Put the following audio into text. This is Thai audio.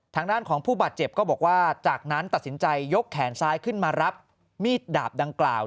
ทางด้านของผู้บาดเจ็บก็บอกว่าจากนั้นตัดสินใจยกแขนซ้ายขึ้นมารับมีดดาบดังกล่าว